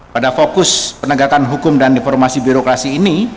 pada fokus penegakan hukum dan deformasi birokrasi ini